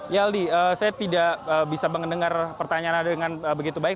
ya aldi saya tidak bisa mendengar pertanyaan anda dengan begitu baik